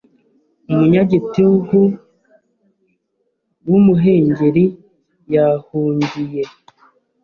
Umunyagitugu wumuhengeri yahungiye